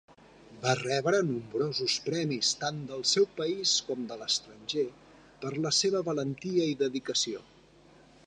Va rebre nombrosos premis tant del seu país com de l'estranger per la seva valentia i dedicació.